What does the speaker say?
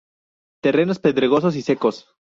Terrenos pedregosos y secos.